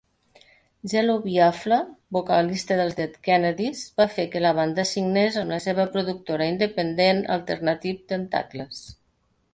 Jello Biafra, vocalista dels Dead Kennedys, va fer que la banda signés amb la seva productora independent Alternative Tentacles.